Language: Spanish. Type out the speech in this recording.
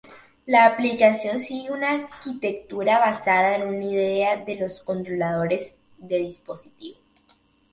La aplicación sigue una arquitectura basada en una idea de los controladores de dispositivo.